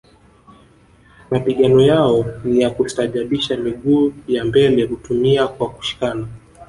Mapigano yao ni ya kustaajabisha miguu ya mbele hutumia kwa kushikana